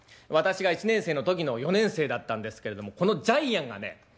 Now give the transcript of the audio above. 私が１年生の時の４年生だったんですけれどもこのジャイアンがね